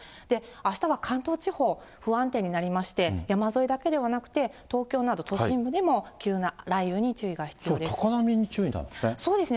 あしたは関東地方、不安定になりまして、山沿いだけではなくて、東京など都心部でも急な雷雨に注意が必要です。